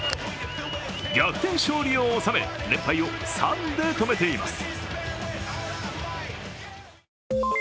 逆転勝利をおさめ、連敗を３で止めています。